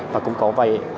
và cũng có vậy